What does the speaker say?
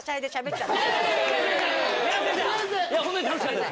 いやいやホントに楽しかったです